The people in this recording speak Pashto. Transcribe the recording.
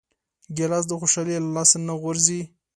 ګیلاس د خوشحالۍ له لاسه نه غورځي.